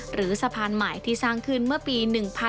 หรือสะพานใหม่ที่สร้างขึ้นเมื่อปี๑๕